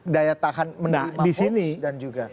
daya tahan menerima box dan juga